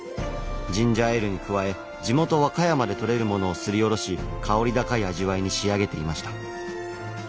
ジンジャーエールに加え地元和歌山でとれるものをすりおろし薫り高い味わいに仕上げていました。